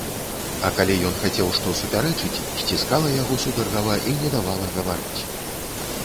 А калі ён хацеў што супярэчыць, сціскала яго сударгава і не давала гаварыць.